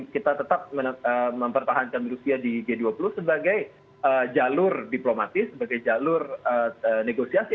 kita tetap mempertahankan rusia di g dua puluh sebagai jalur diplomatis sebagai jalur negosiasi